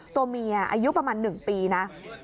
ตัวเมียอายุประมาณ๑ปีนะ